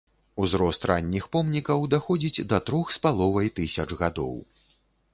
Узрост ранніх помнікаў даходзіць да трох с паловай тысяч гадоў.